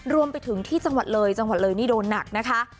รวมไปถึงที่จังหวัดเลยจังหวัดเลยนี่โดนหนักนะคะ